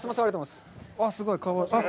すごい。